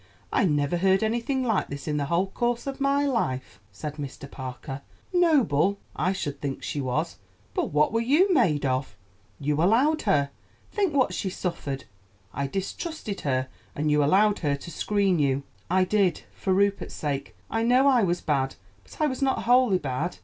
I never heard anything like this in the whole course of my life," said Mr. Parker. "Noble! I should think she was; but what were you made of? You allowed her! Think what she suffered. I distrusted her, and you allowed her to screen you." "I did, for Rupert's sake. I know I was bad, but I was not wholly bad.